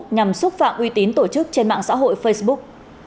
nhằm xúc phạm uy tín tổ chức trên mạng xã hội facebook